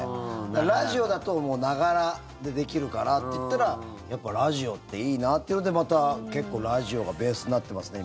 ラジオだと、ながらでできるからっていったらやっぱりラジオっていいなっていうのでまた結構ラジオがベースになってますね。